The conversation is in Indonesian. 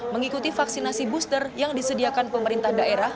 mengikuti vaksinasi booster yang disediakan pemerintah daerah